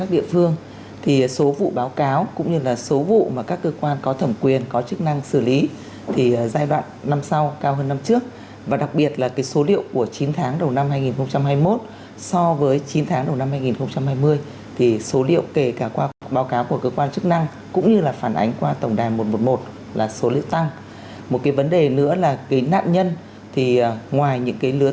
đừng quên like share và subscribe cho kênh lalaschool để không bỏ lỡ những video hấp dẫn